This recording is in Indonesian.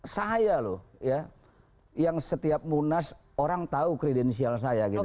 saya loh ya yang setiap munas orang tahu kredensial saya gitu